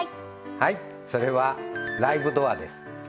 はいそれはライブドアです